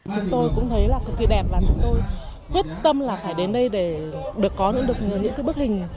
chúng tôi cũng thấy là thật kỳ đẹp và chúng tôi quyết tâm là phải đến đây để được có những bức hình